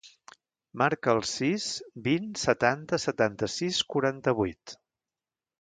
Marca el sis, vint, setanta, setanta-sis, quaranta-vuit.